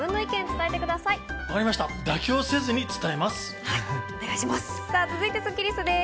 妥協せずに伝えます。